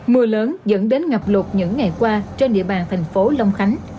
mưa lớn dẫn đến ngập lụt những ngày qua trên địa bàn thành phố long khánh